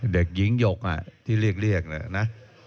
เด็กหญิงหยกอ่ะที่เรียกนะ